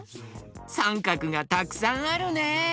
さんかくがたくさんあるね。